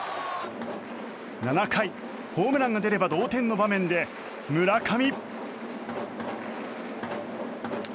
７回、ホームランが出れば同点の場面で村上。